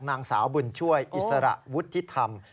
นางสาวบุญช่วยอิสระวุฒิธรรม